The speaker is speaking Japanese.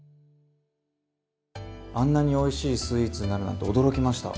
あんなにおいしいスイーツになるなんて驚きました。